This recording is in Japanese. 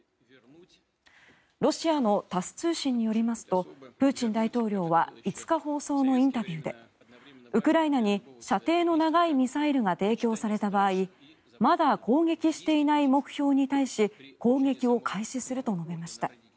ロシアのタス通信によりますとプーチン大統領は５日放送のインタビューでウクライナに射程の長いミサイルが提供された場合まだ攻撃していない目標に対し攻撃を開始すると述べました。